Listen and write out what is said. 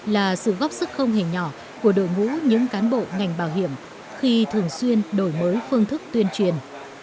là sự góp sức không hình nhỏ của đội ngũ những cán bộ ngành bảo hiểm khi thường xuyên đổi mới phương thức tuyên truyền